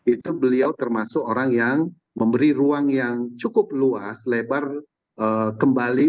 itu beliau termasuk orang yang memberi ruang yang cukup luas lebar kembali